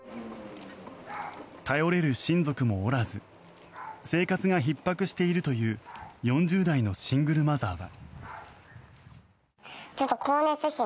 頼れる親族もおらず生活がひっ迫しているという４０代のシングルマザーは。